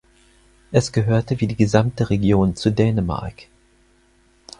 Es gehörte wie die gesamte Region zu Dänemark.